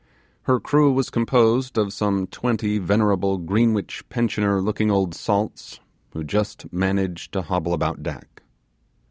Her crew was composed of some twenty venerable Greenwich pensioner looking old salts, who just managed to hobble about deck.